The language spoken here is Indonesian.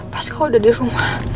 pasti kau udah di rumah